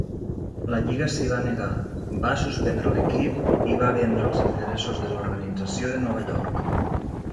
La lliga s'hi va negar, va suspendre l'equip i va vendre els interessos de l'organització de Nova York.